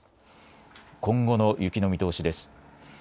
今後の雪の見通しです。